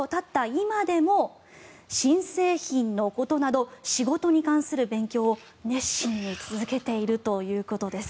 今でも新製品のことなど仕事に関する勉強を熱心に続けているということです。